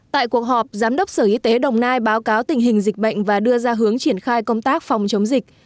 tại cuộc họp giám đốc sở y tế đồng nai báo cáo tình hình dịch bệnh và đưa ra hướng triển khai công tác phòng chống dịch